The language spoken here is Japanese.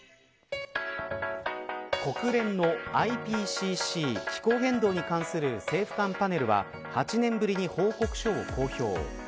国連のＩＰＣＣ気候変動に関する政府間パネルは８年ぶりに報告書を公表。